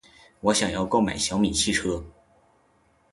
我想要购买小米汽车。